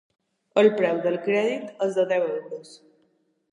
El preu del crèdit és de deu euros.